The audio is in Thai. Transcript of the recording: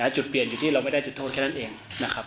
จุดเปลี่ยนอยู่ที่เราไม่ได้จุดโทษแค่นั้นเองนะครับ